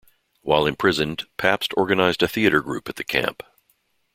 While imprisoned, Pabst organised a theatre group at the camp.